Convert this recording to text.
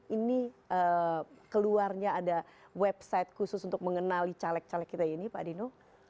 ini keluarnya ada website khusus untuk mengenali caleg caleg kita ini pak dino